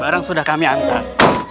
barang sudah kami hantar